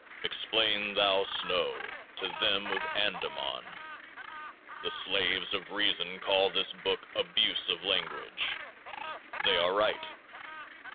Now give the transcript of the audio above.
Explain thou snow to them of Andaman. The slaves of reason call this book Abuse of Language : they are right.